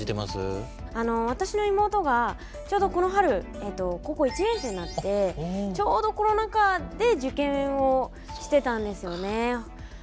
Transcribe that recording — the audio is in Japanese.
あの私の妹がちょうどこの春高校１年生になってちょうどコロナ禍で受験をしてたんですよね。ってすごい思いますね。